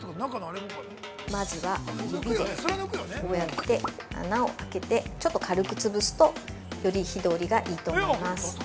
◆まずは指でこうやって穴をあけてちょっと軽く潰すとより火通りがいいと思います。